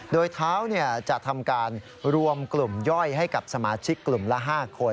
โดยเท้าจะทำการรวมกลุ่มย่อยให้กับสมาชิกกลุ่มละ๕คน